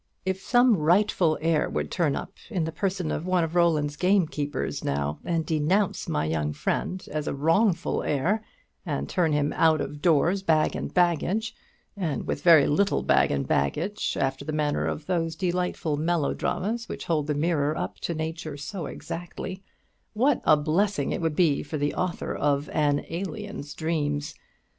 If some rightful heir would turn up, in the person of one of Roland's gamekeepers, now, and denounce my young friend as a wrongful heir, and turn him out of doors bag and baggage, and with very little bag and baggage, after the manner of those delightful melodramas which hold the mirror up to nature so exactly, what a blessing it would be for the author of 'An Alien's Dreams!'